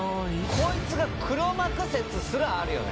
こいつが黒幕説すらあるよね。